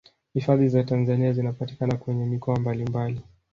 hifadhi za tanzania zinapatikana kwenye mikoa mbalimbali